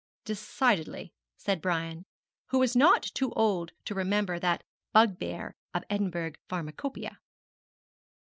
'Decidedly,' said Brian, who was not too old to remember that bugbear of the Edinburgh pharmacopæia.